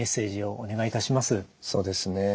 そうですね。